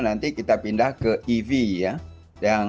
nanti kita pindah ke ev ya